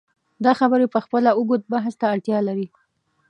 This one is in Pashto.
دا خبرې پخپله اوږد بحث ته اړتیا لري.